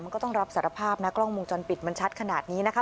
มันก็ต้องรับสารภาพนะกล้องวงจรปิดมันชัดขนาดนี้นะคะ